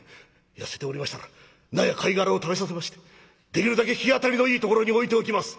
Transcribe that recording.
痩せておりましたら菜や貝殻を食べさせましてできるだけ日当たりのいいところに置いておきます」。